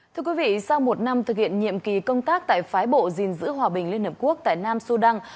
thưa quý vị sau một năm thực hiện nhiệm kỳ công tác tại phái bộ gìn giữ hòa bình liên hợp quốc tại nam sudan